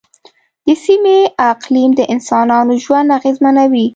د سیمې اقلیم د انسانانو ژوند اغېزمنوي.